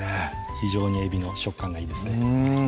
非常にえびの食感がいいですね